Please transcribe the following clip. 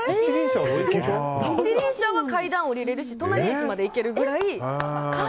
一輪車は階段を降りれるし隣駅まで行けるくらい。